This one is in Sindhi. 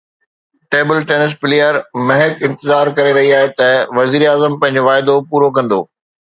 ٽيبل ٽينس پليئر مهڪ انتظار ڪري رهي آهي ته وزيراعظم پنهنجو واعدو پورو ڪندو